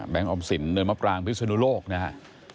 แบงค์ออมสินเนินมปร่างพิศนโลกนะคะ